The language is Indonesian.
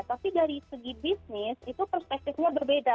tapi dari segi bisnis itu perspektifnya berbeda